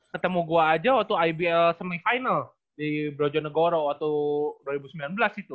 ketemu gua aja waktu ibl semifinal di brojonegoro waktu dua ribu sembilan belas itu